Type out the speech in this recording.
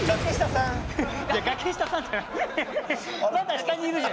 いや崖下さんじゃない。